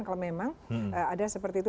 kalau memang ada seperti itu